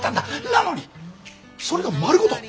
なのにそれが丸ごと。